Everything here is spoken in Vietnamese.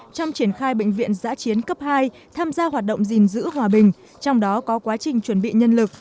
trong triển khai bệnh viện giã chiến cấp hai tham gia hoạt động gìn giữ hòa bình trong đó có quá trình chuẩn bị nhân lực